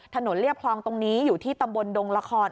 เรียบคลองตรงนี้อยู่ที่ตำบลดงละคร